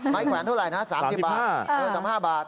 ไม้แขวนเท่าไหร่นะ๓๕บาท